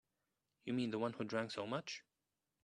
You mean the one who drank so much?